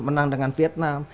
menang dengan vietnam